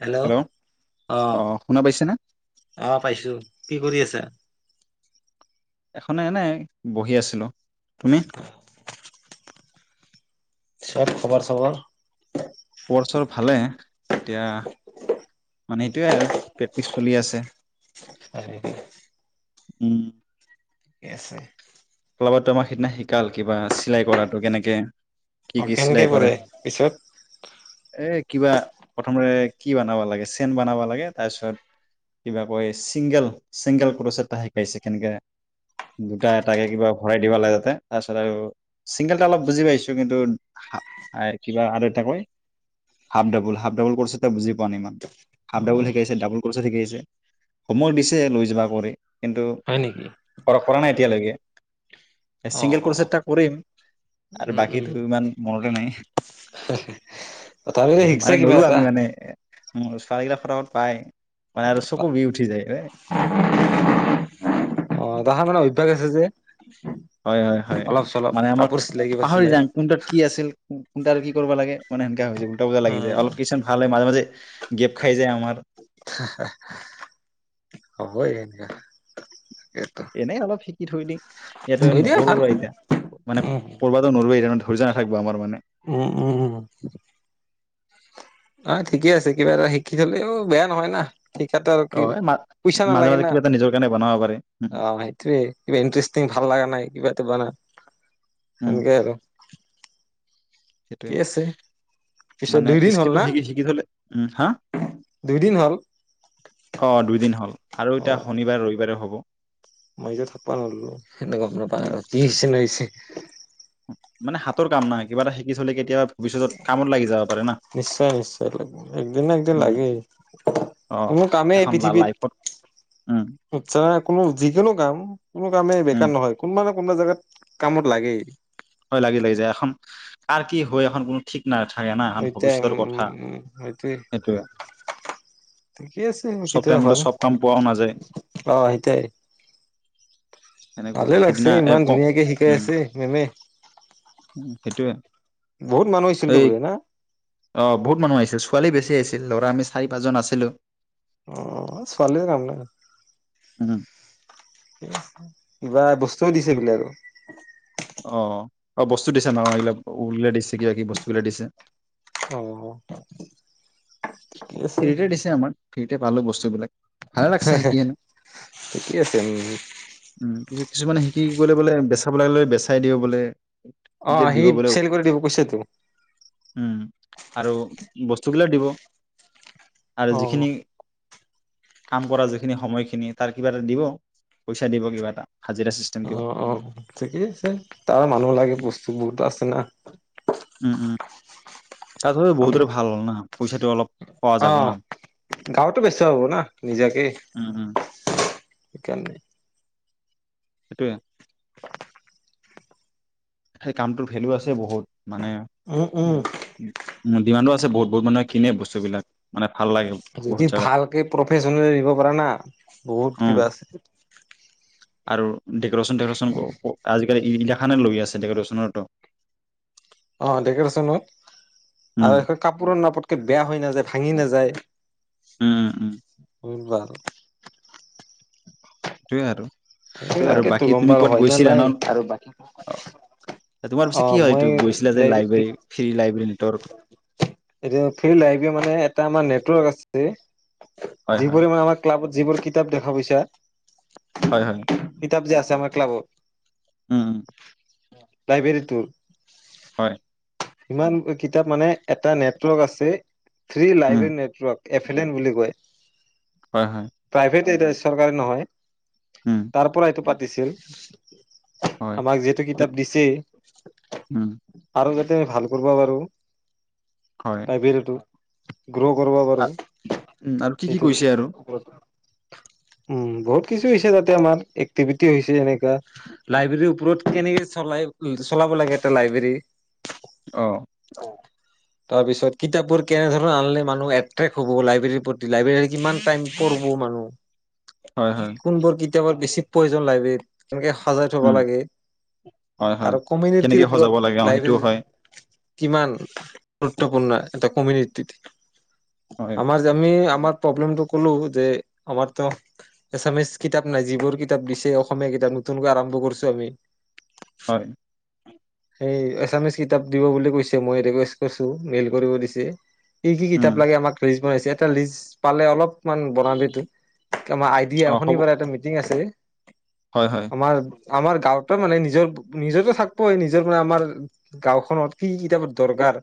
Hello? অহ, অ শুনা পাইছেনে অহ পাইছো। কি কৰি আছা? এখনে এনেই বহি আছিলো। তুমি? ছত খবৰ চবৰ? চবৰ ভা। এতিয়া মানে এইটোৱে আৰু প্ৰেক্টিচ চলি আছে। এনেকে উম। ঠিকে আছে। কলাবাটো আমাৰ সিদিনা শিকাল কিবা চিলাই কৰাটো কেনেকে? কি অহ, কি চিলাই কেনেকে কৰে পিছত? এ কিবা প্ৰথমতে কি বনাব লাগে চেন বনাব লাগে তাৰ পিছত কিবা কয় চিংগল-চিংগল ক্ৰচ এটা শিকাইছে কেনেকে দুটাত তাকে কিবা ভৰাই দিব লাগে তাতে তাৰপিছত আৰু, চিংগলটা অলপ বুজি পাইছো কিন্তু কিবা আৰু এটা কয় half double half double crochet এটা বুজি পোৱা নাই ইমান অ হাফ ডাবল শিকাইছে ডাবুল ক্ৰচ কৰিছে শিকাইছে হোমৱৰ্ক দিছে লৈ যাব কৰি। কিন্তু হয় নেকি? কৰা নাই এতিয়ালৈকে। অ চিংগেল অ কোৰ্চ এটা কৰিম। আৰু উম উম বাকীটো ইমান মনতে নাই। তথাপি শিকসা কিবা এটা। মোৰ ছোৱালীগিলাক ফটাফট পায়, পায় আৰু চকু বিষ উঠি যায় গৈ। অ তাহ মানে অভ্যাস আছে যে। হয়-হয়-হয় অলপ চলপ মানে আমাৰ কাপোৰ চিলাই কিবা পাহৰি চিলাই জাং, কুণ্টত কি আছিল? কোনতা আৰু কি কৰিব লাগে মানে দিগদাৰ হৈ যায়। উল্টা-পুল্টা লাগি যায়। উম অলপ কিছত ভাল হয় মাজে-মাজে গেপ খাই যায় আমাৰ। হবই এতিয়া। এনেই অলপ শিক কি থৈ দিম। ইয়াতো থৈ দিয়া নকৰো ভাল ৰ এতিয়া। মানে উম কৰবাতো নৰো এতিয়া ন থা [unintelligible] থাকব আমাৰ মানে উম উম উম অ ঠিকে আছে কিবা এটা শিকি থলেও বেয়া নহয় না? শিকাত আৰু কি অ এই মা পইচা মাজে নালাগে মাজে না? কিবা এটা নিজৰ কাৰণে বনাব পাৰে উম অহ সেইটোৱে কিবা ইনটেষ্টিং ভাল লগা নাই কিবা এটা ব না। উম সেনেকে আৰু। সেইটোৱে কি আছে পিছত মানে দুইদিন হ'ল স্কিলটো না শিকি-শিকি থলে উ হা? দুইদিন হ'ল অহ দুইদিন হ'ল আৰু অ এতিয়া শনিবাৰ ৰবিবাৰে হ'ব। মই যে থাকবা নোৱাৰলো। [unintelligible] উম মানে হাতৰ কাম না কিবা এটা শিকি চলিকে নিশ্চয়, নিশ্চয়। একদিন না একদিন উম লাগেই, অ কোনো কামেই এখন পৃথিৱীত লাইফত উম চা কোনো যিকোনো কাম কোনো কামেই উম বেকাৰ নহয়, কোনবা না কোনোবা জাগাত কামত লাগেই । হয় লাগি লাগি যায় এখন কাৰ কি হয় এখন কোনো ঠিক নাথাকে না এখন উইটাই ভৱিষ্যতৰ উম কথা উম সটোৱে সেইটোয়ে ঠিকেই আছে, চব কেতিয়া টাইমতে ভাল চব কাম পোৱাও নাযায় অ। ইতেই সেনেকুৱা ভালে লাগছে সিদিনা এ ইমান ক ধুনীয়াকে শিকাই আছে মেমে। সেইটোৱে। বহুত মানুহ হৈছিল তো বোলে না? অ বহুত মানুহ আহিছিল ।ছোৱালী বেছি আহিছিল, ল'ৰা আমি চাৰি পাঁচজন আছিলো। অ ছোৱালীৰ কাম নাই। উম। কিবা বস্তুও দিছে বোলে আৰু। অ অ। বস্তু দিছে ন, এইবিলাক উওলে দিছে ক কি বস্তু বিলে দিছে। অহ অহ। হেৰীটো দিছে আমাক। ফ্ৰী তে পালো বস্তুবিলাক। ভালে লাগছে শিকি কেনে। ঠিকেই আছে উম উম পিচে কিছুমানে শিকি বোলে বোলে বেচাব লাগে লে বেচাই দিওঁ বোলে অ শিকে সি দিব বোলে চেল কৰি দিব কৈছে তো। উম আৰু বস্তু গিলা দিব। আৰু অ। যিখিনি কাম কৰা যিখিনি সময়খিনি তাৰ কিবা এটা দিব, পইচা দিব কিবা এটা। হাজিৰা চিষ্টেম অ, কিবা অ। ঠিকেই আছে। তাৰ মানুহ লাগে বস্তু বহুত আছে না। উম, উম। চা তোৰ বহুতৰে আমলক ভাল হ'ল ন। পইচাটোটো অলপ পোৱা অ যাব না। গাঁৱতো বেচা হ'ব না নিজাকে উম, উম। সেইকাৰণে সেইটোৱে। [inaudible] সেই কামটোৰ ভেলু আছে বহুত । মানে উম উ উম উ ডিমাণ্ডো আছে বহুত। বহুত মানুহে কিনে বস্তুবিলাক। মানে ভাল লাগে যদি বহুত জেগাত ভালকে প্ৰফেচনেলি দিব পাৰা না বহুত উম কিবা আছে। আৰু ডেক'ৰেশ্যন চেকেৰেচন আজিকালি ইদিনাখে লৈ আছে ডেক'ৰেশ্যনৰতো। অ দেকৰেচনত উম আৰু এখন কাপোৰৰ নাপত বেয়া হৈ নাযায়, ভাঙি নাযায়। উম উম [unintelligible] [inaudible] হেটোয়ে আৰু। আৰু বাকী [unintelligible] গম তুমি পাও ক'বাত হয় ন গৈছিলা নাই। আৰু অ', তোমাৰ [unintelligible] পিছে কি অ' হয় এইটো মই গৈছিলা যে লাইব্ৰেৰী ফ্ৰী লাইব্ৰেৰী নেটৱৰ্ক [unintelligible] এতিয়া [unintelligible] এটা মানে [unintelligible] হয় হয় যিবোৰে মানে আমাৰ ক্লাবত যিবোৰ কিতাপ দেখা পাইছা হয় হয়। কিতাপ যে আছে আমাৰ ক্লাবত। উম। লাইব্ৰেৰীটোৰ। হয়। সিমান কিতাপ মানে এটা নেটৱৰ্ক আছে three um library network F L N বুলি কয়। হয় হয় প্ৰাইভেট এ চৰকাৰী নহয়। উম তাৰ পৰা এইটো পাতিছিল। হয় আমাক যিহেতু কিতাপ দিছেই উম আৰ' যাত তে ভাল কৰবা পাৰো। হয় লাইব্ৰেৰীতো। গ্ৰ' কৰিব পাৰোঁ আ- উম আৰু কি কি এইটোৰ কৈছে আৰু ওপৰত উম বহুত কিছু হৈছে তাত। তে আমাৰ এক্টিভেটি হৈছে এনেকুৱা। লাইব্ৰেৰীৰ ওপৰত কেনেকে চলাই - চলাব লাগে এটা লাইবেৰী? অ অ'। তাৰপিছত কিতাপবোৰ কেনেধৰণ আনিলে মানুহ এট্ৰেক্ট হব লাইব্ৰেৰীৰ প্ৰতি লাইব্ৰেৰী কিমান টাইম পঢ়ব্ মানুহ। হয় হয় কোনবোৰ কি [unintelligible] বেছি প্ৰয়োজন লাইব্ৰেৰীত। এনেকে সজাই থব উম লাগে হয় হয় আৰু কমিনিটিৰ কেনেকে ওপৰত সজাব লাগে অ সেইটোও লাইব্ৰেৰী হয় কিমান গুৰুত্বপূৰ্ণ এটা কমিউনিটিতে। হয় আমাৰ যে আমি আপ তোমাৰ প্ৰব্লেম তো কলো যে আমাৰ তো এচামিছ কি কিতাপ নাই যিবোৰ কিতাপ দিছে অসমীয়া কিতাপ, নতুনকৈ আৰম্ভ কৰছো আমি। হয়। সেই এছামিছ কিতাপ দিব বুলি কৈছে মই ৰিকুৱেষ্ট কৰছো মেইল কৰিব দিছে। কি কি উম কিতাপ লাগে আমাক ৰি বন এটা লিষ্ট পালে অলপ মান বনাবি তো, [unintelligible] আইডিয়া অ হ'ব শনিবাৰে মিটিং আছে। হয় হয় আমাৰ আমাৰ গাঁওতো মানে নিজৰ - নিজৰতো থাকপই নিজৰ মানে আমাৰ গাঁওখনত কি কি কিতাপৰ দৰকাৰ।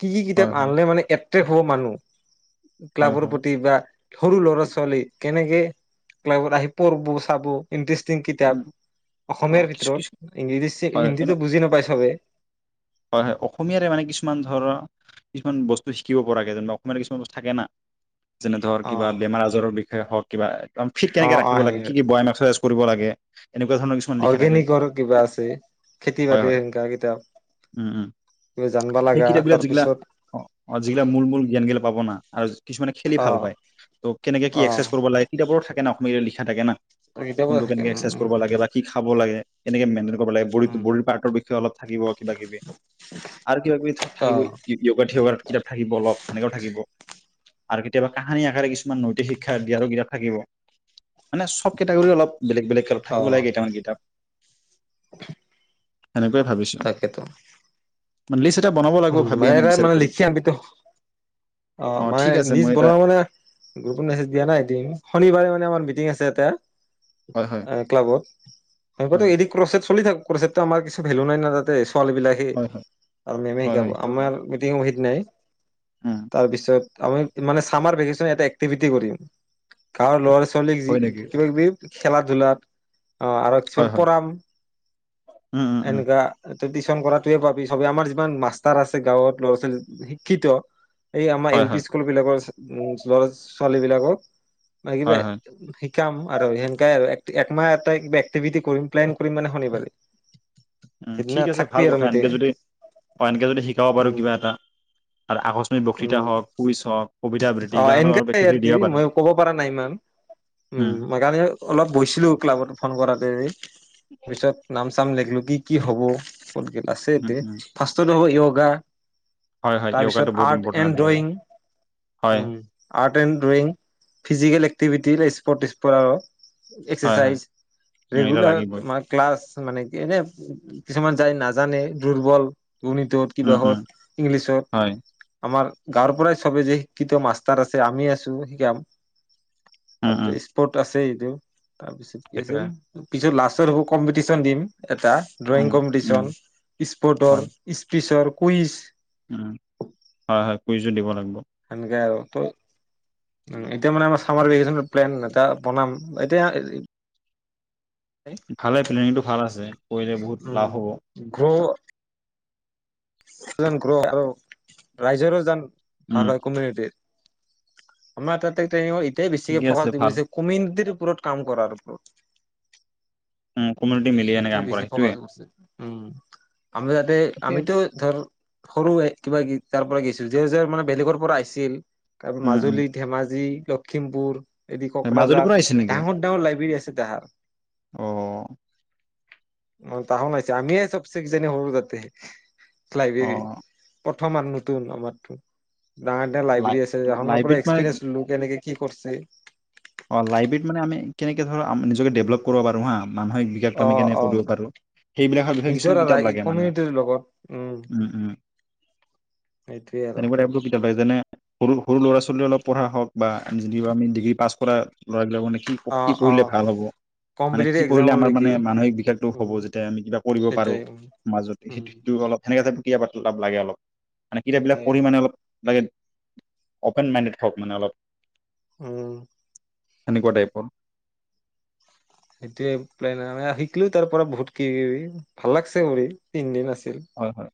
কি-কি হয় কিতাপ হয় আনিল মানে এ হুৱ মানুহ । হয় ক্লাবৰ হয় প্ৰতি বা সৰু ল'ৰা ছোৱালী কেনেকে ক্লাবত আহি পঢ়বো চাব । ইণ্টাৰেষ্টিং উম কিতাপ, অ অসমীয়াৰ কিছু কিছু ভিতৰত ইংৰাজী, হিন্দীতো বুজি নাপায় চবেই । হয়-হয় অসমীয়াৰে মানে কিছুমান ধৰা কিছুমান বস্তু শিকিব পৰাকৈ যেন অসমীয়াৰ কিছুমান বস্তু থাকে না? যেনে ধৰ অ কিবা বেমাৰ আজাৰৰ বিষয়ে হওক। কিবা ঠিক অ তেনেকৈ অ ৰাখিব সেই লগে। কি-কি ব্যয়াম এক্াৰাইজ কৰিব লাগে ে [inaudible] অৰ্গেনিকৰ কিবা আছে খেতি বাতিৰ সেনো কিতাপ । উম-উম। সেই কিতাপ বিিলাক যিগিলাক তাৰপিছত অহ যিগিলাক মূল-মূল জ্ঞান গিল পাব না আৰু কিছুমানে খেলি অ ভাল পায়। ত' কেনেকে কি এক্সাৰচাইজ অ কৰিব লাগে কিতাপোৰো থাকে [unintelligible] অসমীয়াৰে লিখাথাকে ন? কেতিয়াবা কোনটো থাকে কেনেকে উম এক্চাৰচাইজ উম কৰিব লাগে বা কি খাব লাগে? এনেক ম লে ব উম বডী প্টৰ বিষয়ে অলপ থাকিব । কিবা-কিবি, আৰু কিবা কিবি অ থাকিব। য়োগ থ কিতাপ থাকিব অলপ সেনেকুৱা থাকিব [unintelligible] আৰু কেতিয়াবা কাহানী আকাৰে কিছুমান নৈতিক শিক্ষা দিয়াৰো কিতাপ থাকিব। মানে চব কেটাগৰী অলপ [unintelligible] বেলেগ-বেলেগ কাল অ থিব লাগেেইটামান কিতাপ । সেনেকুৱায়ে ভাবিছো । তাকেতো [unintelligible] উম মানে এ এনে বিচাৰ মানে কৰি লিখি আম, অহ, অ মানে ঠিক আছে নিজ মই এটা বনোৱা মানে গ্ৰুপত মেজ দিয়া নাই এদিন শনিবাৰে মানে আমাৰ মিটিং আছে তেতি হয় হয় [unintelligible] এ ক্লাবত। হব হয় দেহ কচট চলি থাক ক্ৰচট [unintelligible] আমাৰ কিছু ভেলু নাই ন তাতে। ফল বিলাকে হয় হয় আৰু মে'মে হয় হয় [unintelligible] সেইটো হয় আমাৰ মিটিঙ এক নাই উম [unintelligible] তাৰপিছত আমি মানে চামাৰ ভেকেচন এটা এক্টিভিটি কৰিম। গাঁৱৰ ল'ৰা ছ যি, হয় নেকি? কিবা-কিবি খেলা ধূলাত অ'! আৰু কিছুমান হয় হয় পঢ়াম। উম উম উম এনেকুৱা টিউচন কৰাটোৱে পাবি চবে আমাৰ যিমান মা মাষ্টাৰ আছে গাঁৱত ল'ৰা ছোৱালী শিক্ষিত। এই আমাৰ হয় এল পি হয় স্কুল বিলাকৰ উম! ল'ৰা ছোৱালী বিলাকক হয় মাগিমে হয় ভি শিকাম আৰু সেনেকাই আৰু একমাহ এটা এক্টিভিটি কৰিম, প্লেন কৰিম মানে শনিবাৰে। উম! সিদিনা ঠিক আছে। থাকবি ভাল আৰু কথা! এনকে মিটিং যদি হয় এনেকে যদি শিকাব পাৰো উম, কিবা এটা আৰু আকস্মিক বক্তৃতা উম, হওক কুইজ হওক কবিতা আবৃত্তি অ'! এইগিলাখনো এনেক অলপ আৰু এক্টিভিটি কি দিব পাৰো মই ক'ব পৰা নাই ইমান। উম, মই কালি অলপ বহিছিলোঁ ক্লাবত ফোন কৰাতেঁ। তাৰপিছত নাম চাম লিখলো কি কি হ'ব। আছে উম এতিয়া। উম ফাৰ্ষ্টত হ'ব ইয়গা। হয় হয় তাৰপিছত য়োগাটো বহুত আৰ্ট ইম্পৰ্টেণ্ট এণ্ড আজিকালি ড্ৰয়িং, হয় um! Art and drawing physical activity তিল স্পৰ্ট, স্পট আৰু হয় হয় এক্সাৰচাইজ উম এতিয়া ৰেগুলাৰ, লাগিবই মই ক্লাছ মানে, এনে, কিছুমান যায় নাজানে দুৰ্বল। উৰ্ণীটোত কিবা উম হত উম ইংলিছত হয় আমাৰ গাঁৱৰ পৰাই চবে যে, শিক্ষিত মাষ্টাৰ আছে। আমি আছোঁ শিকাম। উম উম তাৰপিছত স্পৰ্ট আছে। আৰু তাৰপিছত, কি আছিল? সেইটোৱে পিছত লা [unintelligible] কম্পিটিশ্যন দিম। এটা ড্ৰয়িং উম উম কম্পিটিচন স্পৰ্টৰ হয় এস্পিচিয়াল কুইজ উম, হয়, হয়! কুইজও দিব লাগিব। সনেকে আৰু ত' উম এতিয়া মানে, আমাৰ চামাৰ ভেকেচনত প্লেন এটা বনাম। এতিয়া ভালে, প্লেনিংটো ভাল আছে। কৰিলে বহুত উম! লাভ হ'ব গ্ৰ গ্ৰ আৰু ৰাইজৰো যেন উম ভাল হয় কমিউনিটি। আমাৰ তাতে [unintelligible] তাতে, বেছিকে ঠিকে আছে ফকাচ দিব ভাল দিছে। কমিউনিটিৰ ওপৰত কাম কৰাৰ ওপৰত উম কমিউটি মিলি এনে সেইটোৱে কাম বেছি কৰে সেইটোৱে ফকাচ কৰিছে। [unintelligible] উম আমি যাতে ঠিকে আমিতো ধৰ সৰু এ কিবা [unintelligible] তাৰ পৰা গছিল যাৰ যাৰ মানে বেলেগৰ পৰা আহিছিল তাপা উম উম মাজুলী ধেমাজি লখিমপুৰ এদি মাজুলীৰ ককৰাঝাৰ পৰা আহিছিল নেকি? ডাঙৰ ডাঙৰ লাইবেৰী আছে তাহাত অ', [unintelligible] ম তাহ নাইছে আমি চব চেসৰুকিজানি হৰু তাতে [unintelligible] লাইব্ৰেৰী অ', প্ৰথম আৰু নতুন আমাৰতো ডাঙ ডাঙ লাই লাইবেৰ আছে এখনৰ পৰা লাইব্ৰেৰীত মানে এক্সপিৰেঞ্ছ লোক এনেকে কি কৰছে অ লাইব্ৰেৰীত মানে আমি কেনেকে ধৰ নিজকে ডেভলপ কৰিব পাৰো হা মানসিক বিকাশটো অ আমি কেনেক অ কৰিব পাৰো সেইবিলাকৰ বিষয়ে নিজৰ কিছুমান কিতাপ আৰু লাগে মানে কমিউনিটিৰ লগত উম উম সেইটোৱে আৰু। তেনেকুৱা টাইপো কিতাপ লাগে যেনে সৰু সৰু ল'ৰা ছোৱালীয়ে অলপ পঢ়া হওক বা যি আমি ডিগ্ৰী পাছঁ কৰা লৰাবই নে [unintelligible] কি অ কি অ পঢ়িলে ভাল হ'ব মানে কম্পিটিভ কি পঢ়িলে আমাৰ এক্জামলৈকে মানে মানসিক বিকাশতটো হ'ব উম যেতিয়া আমি কিবা কৰিব পাৰো সেইটাই উম মাজত উম সেইটো সেইটো অলপ সেনেকা [unintelligible] কেতিয়াবা তাপ লাগে অলপ মানে কিতাপবিলাক সেইটাই পঢ়ি মানে অলপ লাগে অপেন মাইণ্ডেড হওক মানে অলপ উম সেনেকুৱা টাইপৰ সেইটোৱে শিকলোও তাৰ পৰা বহুত কি ভাল লাগিছে কৰি তিনদিন আছে [unintelligible] হয় হয়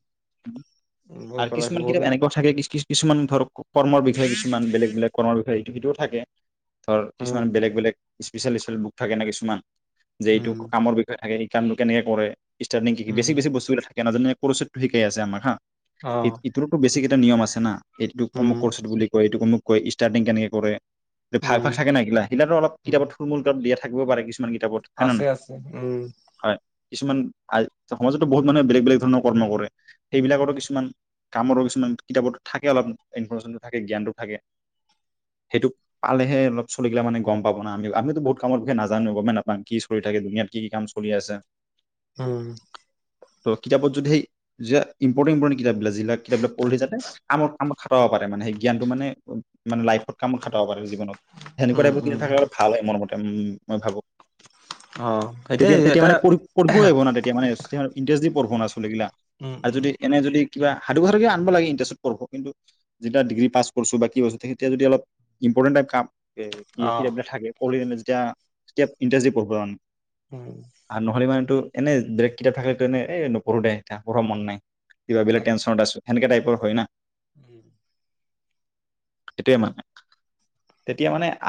বহুত আৰু ভাল লাগছে কিছুমান বহুত কিতাপ এনেকুৱা থাকে কিছ কিছ কিছুমান ধৰক কৰ্মৰ বিষয়কিছুমান বেলেগ বেলেগ কৰ্মৰ বিষয়ে তিবিতো থাকে [unintelligible] ধৰ কিছুমান উম বেলেগ বেলেগ স্পিচেল বুক থাকে ন কিছুমান যে এইটো উম কামৰ বিষয়ে থাকে কামটো কেনেকৈ কৰে? ষ্টাৰ্টিং কি? উম বেছি - বেছি বস্তুবিলা [unintelligible] জনে কোৰোচেতটো শিকাই আছে আমাক হা। অ ই ইটোৰো টো বেছি এটা নিয়ম আছে না। এইটোক অমুক উম কৰচ বুলি কয়। এইটো অমুক কই ষ্টাৰ্টিং কেনেকে কৰে ভাগ- উম ভাগ থাকে না ইগিলা। সিলা ত' অলপ উম কিতাপত থুল-মূল কৈ দিয়া থাকে। থাকব পাৰে কিছু কিছুমান কিতাপত হয় ন আছে নহয়? আছে উম হয়। কিছুমান আ সমাজতো বহুত মানুহে বেলেগ বেলেগ ধৰণৰ কৰ্ম কৰে। সেইবিলাকৰো কিছুমান কামৰো কিছুমান কিতাপতো থাকে অলপ। ইনফৰৰ্মেশ্যনটো থাকে, জ্ঞানটো থাকে। সেইটো পালেহে অলপ চলি গিলা মানে গম পাব না। আমি আমিতো বহুত কামৰ বিষয়ে নাজানো এ গমে নাপাং কি চলি থাকে দুনিয়াত কি-কি কাম চলি আছে। উম। ত কিতাপত যদি সেই য ইম্পৰ্টেট ইম্পৰ্টেণ্ট কিতাপবিলাক যিবিলাক কিতাপিলাক পঢ়িলে যাতে আমাক আমাক খাটাব পাৰে মানে সেই জ্ঞানটো মানে মানে লাই সৎকামত খাটাব পাৰে জীৱনত। সেনেকুৱা উম টাইপ উম থাকে আৰু ভালে মন মতে উম। মই ভাবো অ এতিয়া তেতিয়া-তেতিয়া এটা মানে প পঢ়িবই আহিব ন তেতিয়া মানে যেতিয়া ইন্তেৰেছ দিম। পঢ়বো না চলিগিলা উম আৰু উম যদি এনে যদি কিবা সাধু কথাকে আনব লাগে, ইণ্টাৰেষ্টত পঢ়ব। কিন্তু যেতিয়া ডিগ্ৰী পাছঁ পাছ কৰচ বা কি কৰিছ তেতিয়া যদি অলপ ইম্পৰ্টেট টাইপ কাম কি অ কিপ থাকে অৰিয়ামেজ। [unintelligible] এতিয়া, এতিয়া ইণ্টাৰেষ্ট দি পঢ়ব অ। উম। টো এনে ব্ৰেক কেইটা থাকিল কাৰণে এই নপঢ়ো দে, এতিয়া পঢ়বা মন নাই। কিবা বেলেগ তাকে টেনচনত আছোঁ, সেনেকোৱা টাইপৰ হয় না। উম। সেইটোৱে মানে, তেতিয়া মানে